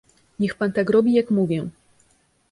"Niech pan tak robi, jak mówię."